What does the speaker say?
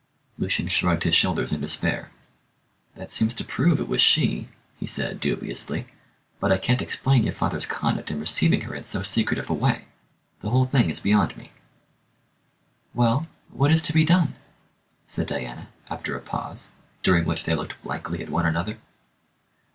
Lucian shrugged his shoulders in despair. "That seems to prove it was she," he said dubiously, "but I can't explain your father's conduct in receiving her in so secretive a way. The whole thing is beyond me." "Well, what is to be done?" said Diana, after a pause, during which they looked blankly at one another.